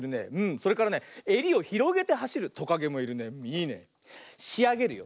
それからねえりをひろげてはしるトカゲもいるね。いいね。しあげるよ。